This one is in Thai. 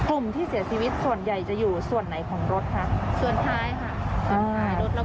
อืมและหลับหลักเขาบอกว่าเสียชีวิตหมดเลย